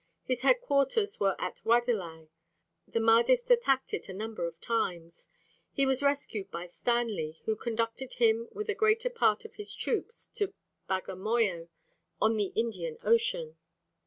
His headquarters were at Wadelai. The Mahdists attacked it a number of times. He was rescued by Stanley, who conducted him with a greater part of his troops to Bagamoyo, on the Indian Ocean.